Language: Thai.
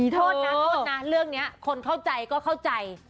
โทษนะโทษนะเรื่องนี้คนเข้าใจก็เข้าใจ